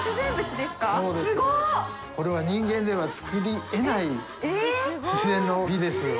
これは人間では作り得ない自然の美ですよね。